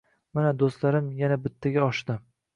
Mana, do‘stlarim yana bittaga oshdi